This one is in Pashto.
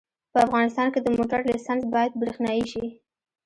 په افغانستان کې د موټر لېسنس باید برېښنایي شي